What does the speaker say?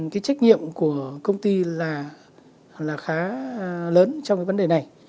cái trách nhiệm của công ty là khá lớn trong cái vấn đề này